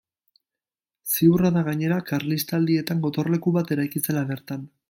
Ziurra da, gainera, Karlistaldietan gotorleku bat eraiki zela bertan.